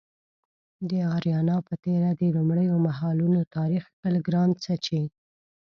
د اریانا په تیره د لومړیو مهالونو تاریخ کښل ګران څه چې